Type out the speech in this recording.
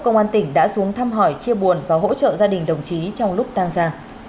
công an tỉnh đã xuống thăm hỏi chia buồn và hỗ trợ gia đình đồng chí trong lúc tăng ra